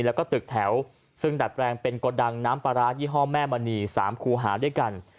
แล้วก็ตึกแถวซึ่งดัดแปลงเป็นโกดังน้ำปลาร้ายี่ห้อแม่มณี๓คูหาด้วยกัน